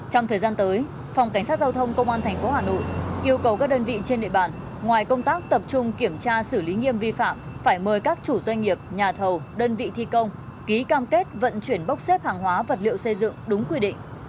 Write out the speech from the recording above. trong thời gian tới phòng cảnh sát giao thông công an tp hà nội yêu cầu các đơn vị trên địa bàn ngoài công tác tập trung kiểm tra xử lý nghiêm vi phạm phải mời các chủ doanh nghiệp nhà thầu đơn vị thi công ký cam kết vận chuyển bốc xếp hàng hóa vật liệu xây dựng đúng quy định